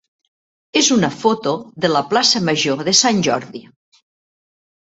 és una foto de la plaça major de Sant Jordi.